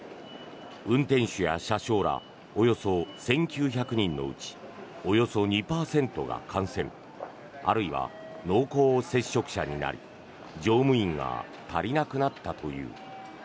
運転手や車掌らおよそ１９００人のうちおよそ２％が感染あるいは濃厚接触者になり乗務員が足りなくなったという。